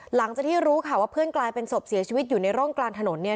หลังจากที่รู้ข่าวว่าเพื่อนกลายเป็นศพเสียชีวิตอยู่ในร่องกลางถนนเนี่ย